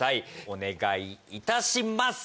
お願いいたします